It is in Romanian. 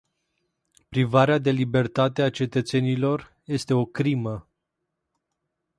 Privarea de libertate a cetățenilor este o crimă.